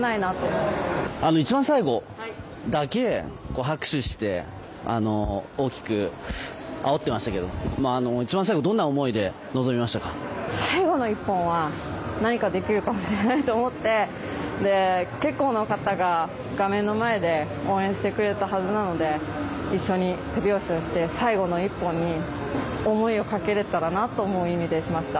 いちばん最後だけ拍手して大きくあおってましたけどいちばん最後、どんな思いで最後の一本は何かできるかもしれないと思って結構な方が画面の前で応援してくれたはずなので一緒に手拍子をして最後の一本に思いをかけれたらなという意味でしました。